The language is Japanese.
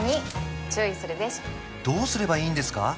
どうすればいいんですか？